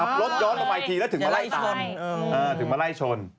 อ๋อมีมั้ยมียังมี